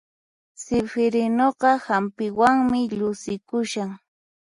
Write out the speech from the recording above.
Sifirinuqa hampiwanmi llusikushan